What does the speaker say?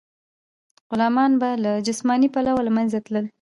غلامان به له جسماني پلوه له منځه تلل.